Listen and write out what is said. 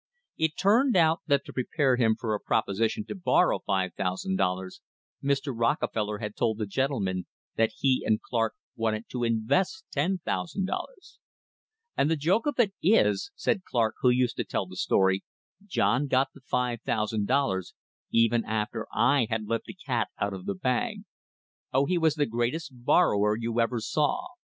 It turned out that to prepare him for a proposition to bor row $5,000 Mr. Rockefeller had told the gentleman that he and Clark wanted to invest $10,000! "And the joke of it is," said Clark, who used to tell the story, "John got the $5,000 even after I had let the cat out of the bag. Oh, he was the greatest borrower you ever saw!"